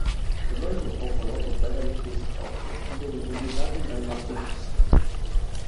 Un altro poco noto "Beverly Hills Cop" venne pubblicato dalla Blast!